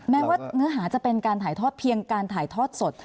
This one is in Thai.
แม้ว่าเนื้อหาจะเป็นการถ่ายทอดเพียงการถ่ายทอดสด